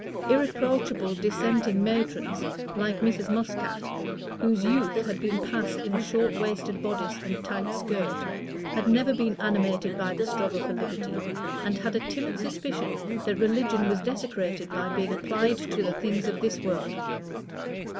Irreproachable Dissenting matrons, like Mrs. Muscat, whose youth had been passed in a short waisted bodice and tight skirt, had never been animated by the struggle for liberty, and had a timid suspicion that religion was desecrated by being applied to the things of this world.